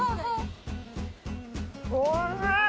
おいしい！